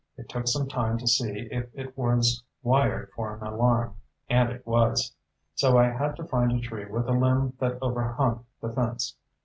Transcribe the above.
It took some time to see if it was wired for an alarm and it was. So I had to find a tree with a limb that overhung the fence.